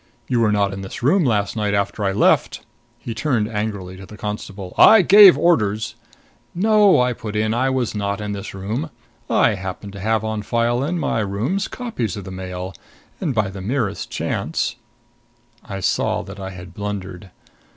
You were not in this room last night after I left?" He turned angrily to the constable. "I gave orders " "No," I put in; "I was not in this room. I happened to have on file in my rooms copies of the Mail, and by the merest chance " I saw that I had blundered.